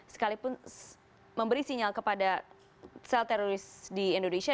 sekalipun memberi sinyal kepada sel teroris di indonesia dan juga sel teroris di indonesia